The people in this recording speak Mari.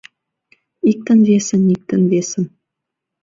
Иктын-весын, иктын-весын